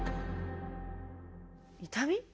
痛み？